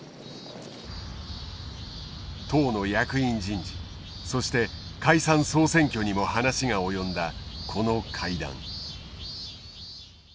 党の役員人事そして解散総選挙にも話が及んだこの会談。